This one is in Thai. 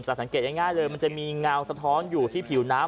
สังเกตง่ายเลยมันจะมีเงาสะท้อนอยู่ที่ผิวน้ำ